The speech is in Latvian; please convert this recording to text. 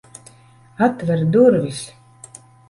Atver durvis!